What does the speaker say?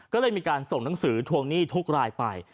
ก็เลยมีการส่งหนังสือทวงหนี้ทุกรายไป